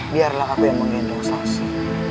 biarlah aku yang mengendong selasi